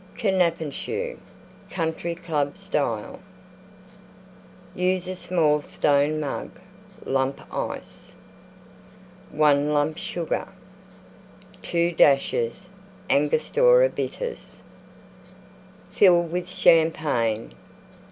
KNABENSCHUE Country Club Style Use a small stone Mug; Lump Ice. 1 lump Sugar. 2 dashes Angostura Bitters. Fill with Champagne.